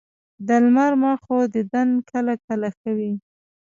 د لمر مخو دیدن کله کله ښه وي